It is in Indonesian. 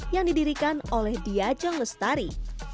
yang didirikan oleh diajeng lestari